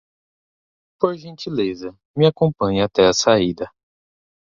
Por gentileza, me acompanhe até a saída.